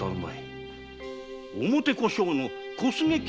表小姓の小菅喜